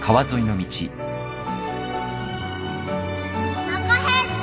おなか減った